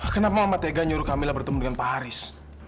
kenapa mama tega nyuruh kamila bertemu dengan pak haris